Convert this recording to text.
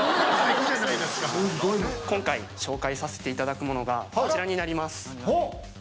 今回紹介させていただくものがこちらになります。